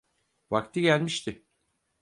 Vakti gelmişti.